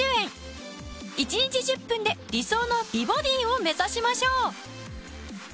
１日１０分で理想の美ボディーを目指しましょう！